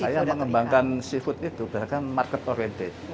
saya mengembangkan seafood itu berarti market oriented